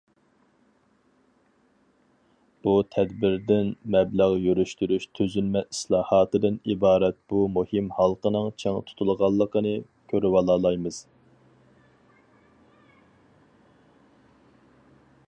بۇ تەدبىردىن مەبلەغ يۈرۈشتۈرۈش تۈزۈلمە ئىسلاھاتىدىن ئىبارەت بۇ مۇھىم ھالقىنىڭ چىڭ تۇتۇلغانلىقىنى كۆرۈۋالالايمىز.